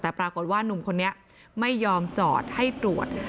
แต่ปรากฏว่านุ่มคนนี้ไม่ยอมจอดให้ตรวจ